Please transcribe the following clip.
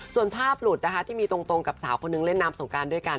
ส่วนภาพหลุดนะคะที่มีตรงกับสาวคนนึงเล่นน้ำสงการด้วยกัน